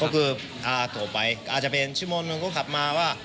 คือโอ้โหต่อไปอาจจะเป็นชั่วโมนหนึ่งก็ขับมาว่า